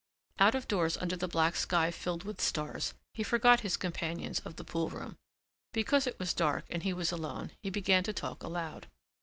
Out of doors under the black sky filled with stars he forgot his companions of the pool room. Because it was dark and he was alone he began to talk aloud.